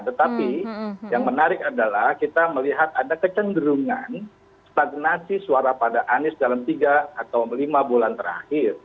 tetapi yang menarik adalah kita melihat ada kecenderungan stagnasi suara pada anies dalam tiga atau lima bulan terakhir